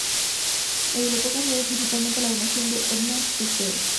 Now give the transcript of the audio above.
La biblioteca se debe principalmente a la donación por Edmonds de Fel.